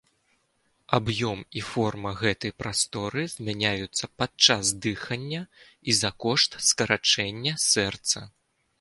Аб'ём і форма гэтай прасторы змяняюцца падчас дыхання і за кошт скарачэння сэрца.